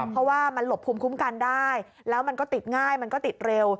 เพราะว่ามันหลบภูมิคุ้มกันได้แล้วมันก็ติดง่ายมันก็ติดเร็ว